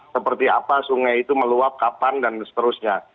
seperti apa sungai itu meluap kapan dan seterusnya